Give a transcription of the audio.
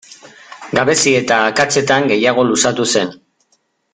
Gabezi eta akatsetan gehiago luzatu zen.